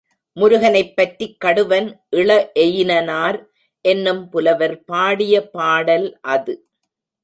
முருகனைப் பற்றிக் கடுவன் இள எயினனார் என்னும் புலவர் பாடிய பாடல் அது.